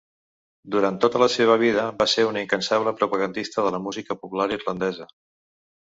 Durant tota la seva vida va ser una incansable propagandista de la música popular irlandesa.